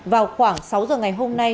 vào khoảng sáu h ngày hôm nay